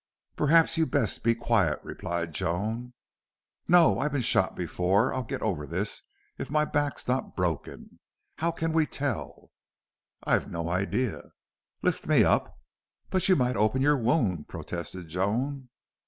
"Perhaps you had best be quiet," replied Joan. "No. I've been shot before. I'll get over this if my back's not broken. How can we tell?" "I've no idea." "Lift me up." "But you might open your wound," protested Joan.